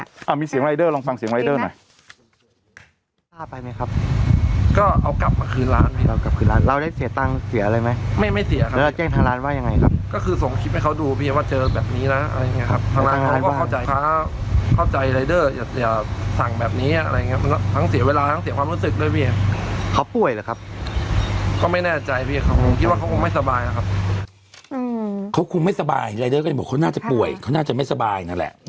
เอามีเสียงรายเดอร์ลองฟังเสียงรายเดอร์หน่อย